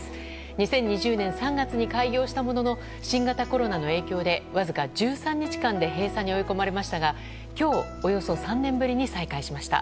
２０２０年３月に開業したものの新型コロナの影響でわずか１３日間で閉鎖に追い込まれましたが今日およそ３年ぶりに再開しました。